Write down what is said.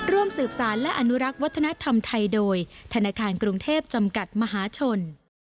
ร่วมสืบสารและอนุรักษ์วัฒนธรรมไทยโดยธนาคารกรุงเทพจำกัดมหาชน